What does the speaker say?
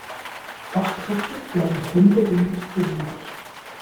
Fachkräfte werden händeringend gesucht.